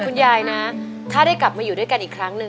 คุณยายนะถ้าได้กลับมาอยู่ด้วยกันอีกครั้งหนึ่ง